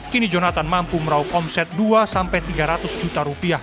kini jonathan mampu meraup omset dua sampai tiga ratus juta rupiah